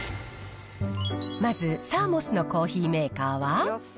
まずサーモスのコーヒーメーカーは。